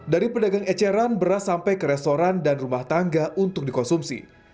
dari pedagang eceran beras sampai ke restoran dan rumah tangga untuk dikonsumsi